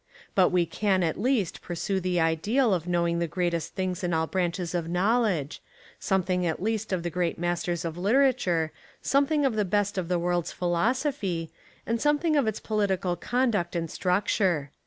But we can at least pursue the ideal of knowing the greatest things in all branches of knowledge, something at least of the great masters of literature, some thing of the best of the world's philosophy, and something of its political conduct and structure.